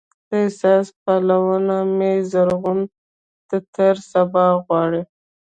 د احساس پلونه مې زرغون ټټر سبا غواړي